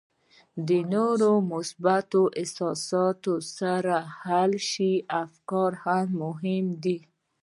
له نورو مثبتو احساساتو سره حل شوي افکار هم مهم دي